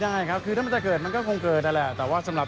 ได้ครับคือถ้ามันจะเกิดมันก็คงเกิดนั่นแหละแต่ว่าสำหรับ